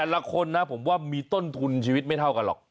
แต่ละคนนะผมว่ามีต้นทุนชีวิตไม่เท่ากันหรอก